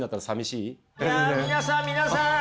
いや皆さん皆さん。